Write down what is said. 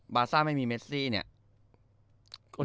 ซ่าไม่มีเมซี่เนี่ย